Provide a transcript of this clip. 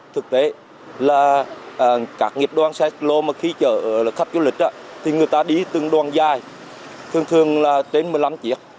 thực tế là các nghiệp đoàn xe lô mà khi chở khách du lịch thì người ta đi từng đoàn dài thường thường là trên một mươi năm chiếc